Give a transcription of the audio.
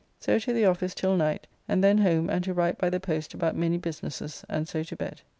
So to the office till night, and then home and to write by the post about many businesses, and so to bed.